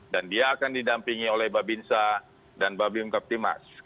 dan dia akan didampingi oleh babinsa dan babim captimas